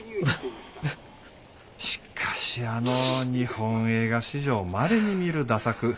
しかしあの日本映画史上まれに見る駄作